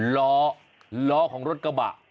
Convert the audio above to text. ล้อล้อของรถกระบะ